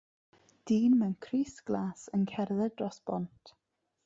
Dyn mewn crys glas yn cerdded dros bont.